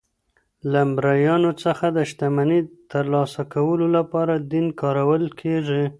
له مریانو څخه د شتمنۍ ترلاسه کولو لپاره دین کارول کیږي.